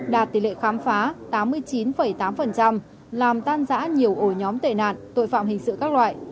đạt tỷ lệ khám phá tám mươi chín tám làm tan giã nhiều ổ nhóm tệ nạn tội phạm hình sự các loại